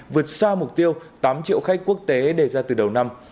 vượt xa mục tiêu tám triệu khách quốc tế đề ra từ đầu năm